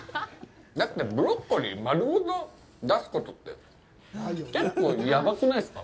だって、ブロッコリー丸ごと出すことって結構やばくないっすか。